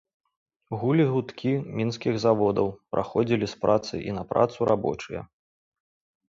Гулі гудкі мінскіх заводаў, праходзілі з працы і на працу рабочыя.